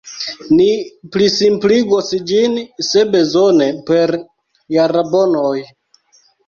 Ni plisimpligos ĝin, se bezone, per jarabonoj.